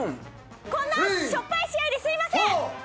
こんなしょっぱい試合ですみません！